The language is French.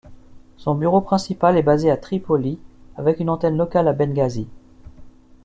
Son bureau principal est basé à Tripoli, avec une antenne locale à Benghazi.